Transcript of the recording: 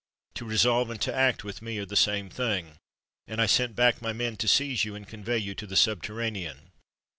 To resolve and to act with me are the same thing; and I sent back my men to seize you and convey you to the subterranean."